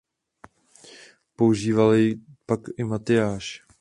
Používal jej pak i Matyáš.